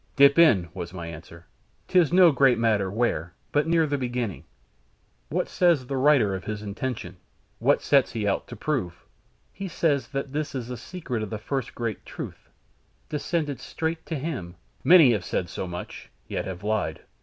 "Dip in," was my answer. "'Tis no great matter where, but near the beginning. What says the writer of his intention? What sets he out to prove?" "He says that is the Secret of the First Great Truth, descended straight to him " "Many have said so much, yet have lied."